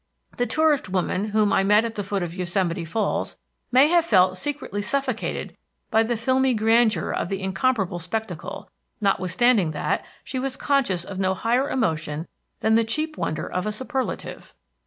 The tourist woman whom I met at the foot of Yosemite Falls may have felt secretly suffocated by the filmy grandeur of the incomparable spectacle, notwithstanding that she was conscious of no higher emotion than the cheap wonder of a superlative.